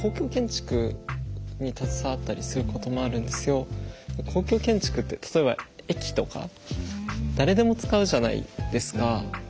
私は建築で公共建築って例えば駅とか誰でも使うじゃないですか。